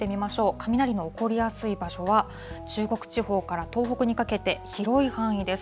雷の起こりやすい場所は、中国地方から東北にかけて、広い範囲です。